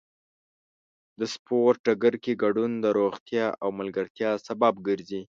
د سپورت ډګر کې ګډون د روغتیا او ملګرتیا سبب ګرځي.